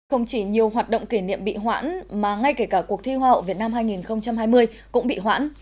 không chỉ nhiều hoạt động kỷ niệm bị hoãn mà ngay kể cả cuộc thi hoa hậu việt nam hai nghìn hai mươi cũng bị hoãn